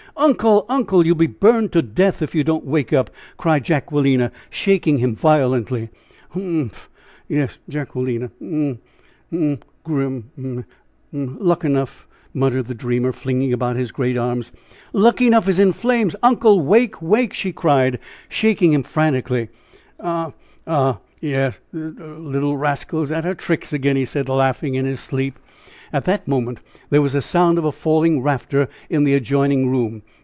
"Uncle! uncle! You will be burned to death if you don't wake up!" cried Jacquelina, shaking him violently. "Humph! Yes, Jacquelina! um um um Grim! um um Luckenough!" muttered the dreamer, flinging about his great arms. "Luckenough is in flames! Uncle! wake! wake!" she cried, shaking him frantically. "Ah! ha! yes! d d little rascal is at her tricks again!" he said, laughing in his sleep. At that moment there was the sound of a falling rafter in the adjoining room.